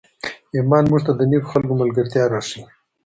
ایمان موږ ته د نېکو خلکو ملګرتیا راښیي.